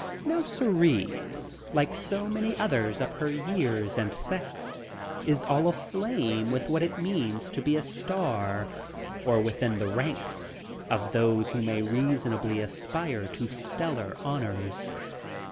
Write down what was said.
Now Cerise, like so many others of her years and sex, is all aflame with what it means to be a star or within the ranks of those who may reasonably aspire to stellar honors.